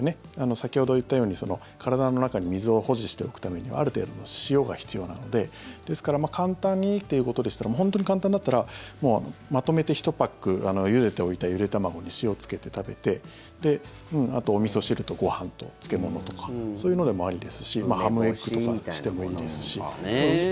先ほど言ったように、体の中に水を保持しておくためにはある程度の塩が必要なのでですから簡単にということでしたら本当に簡単だったらもうまとめて１パックゆでておいたゆで卵に塩つけて食べてあと、おみそ汁とご飯と漬物とかそういうのでもありですしハムエッグとかしてもいいですし。